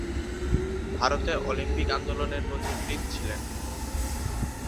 ভারতে অলিম্পিক আন্দোলনের পথিকৃৎ ছিলেন।